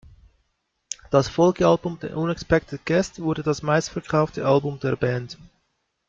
Das Folgealbum "The Unexpected Guest" wurde das meistverkaufte Album der Band.